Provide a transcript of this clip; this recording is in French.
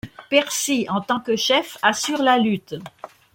Percy en tant que chef assure la lutte.